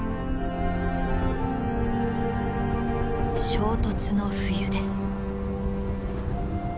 衝突の冬です。